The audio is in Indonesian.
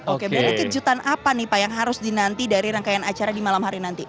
oke berarti kejutan apa nih pak yang harus dinanti dari rangkaian acara di malam hari nanti